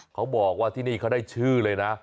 เขาบอกว่าที่นี่เขาได้ชื่อเลยนะ